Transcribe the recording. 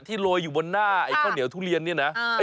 ที่โรยอยู่บนหน้าข้าวเหนียวทุเรียนนี่นะ